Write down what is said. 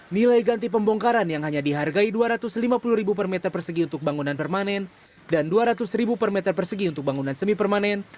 nilai ganti pembongkaran yang hanya dihargai rp dua ratus lima puluh per meter persegi untuk bangunan permanen dan rp dua ratus per meter persegi untuk bangunan semi permanen